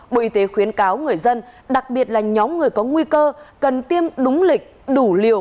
bộ y tế khuyến cáo người dân đặc biệt là nhóm người có nguy cơ cần tiêm đúng lịch đủ liều